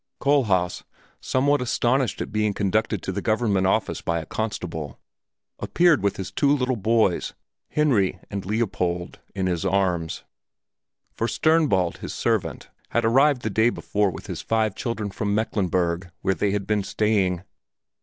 Kohlhaas, somewhat astonished at being conducted to the Government Office by a constable, appeared with his two little boys, Henry and Leopold, in his arms; for Sternbald, his servant, had arrived the day before with his five children from Mecklenburg, where they had been staying.